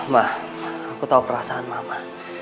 ma aku tau perasaan mama